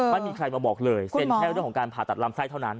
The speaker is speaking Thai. ไม่มีใครมาบอกเลยเซ็นแค่เรื่องของการผ่าตัดลำไส้เท่านั้น